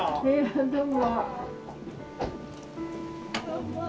どうも。